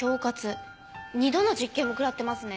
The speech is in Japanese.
２度の実刑もくらってますね。